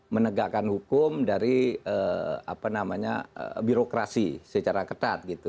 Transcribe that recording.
menegakkan hukum dari apa namanya birokrasi secara ketat gitu